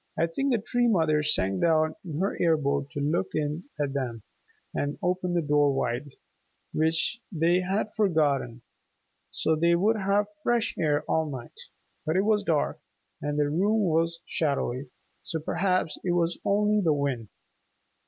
I think the Tree Mother sank down in her air boat to look in at them and open the door wide, which they had forgotten, so they would have fresh air all night; but it was dark, and the room was shadowy, so perhaps it was only the wind.